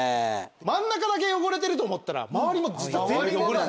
真ん中だけ汚れてると思ったら周りも実は全部汚れ。